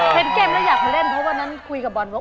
เห็นเกมแล้วอยากมาเล่นเพราะวันนั้นคุยกับบอลว่า